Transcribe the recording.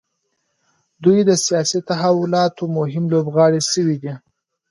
دوی د سیاسي تحولاتو مهم لوبغاړي شوي دي.